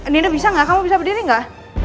nino bisa gak kamu bisa berdiri gak